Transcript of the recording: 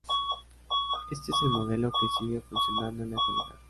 Este es el modelo que sigue funcionando en la actualidad.